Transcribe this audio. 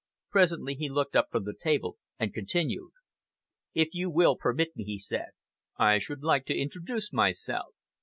Presently he looked up from the table and continued: "If you will permit me," he said, "I should like to introduce myself.